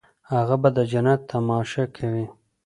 هغه به د جنت تماشه کوي.